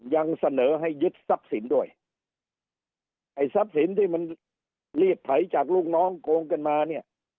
ยังเสนอให้ยึดทรัพย์สินด้วยไอ้ทรัพย์สินที่มันรีดไถจากลูกน้องโกงกันมาเนี่ย